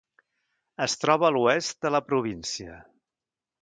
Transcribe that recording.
Es troba a l'oest de la província.